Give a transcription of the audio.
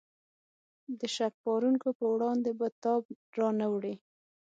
د شک پارونکو په وړاندې به تاب را نه وړي.